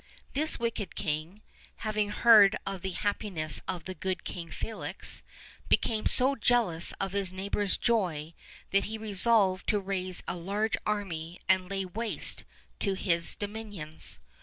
This wicked king, having heard of the happiness of the good King Felix, became so jealous of his neighbor's joy that he resolved to raise a large army and lay waste his dominions.